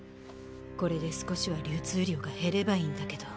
これで少しは流通量が減ればいいんだけど。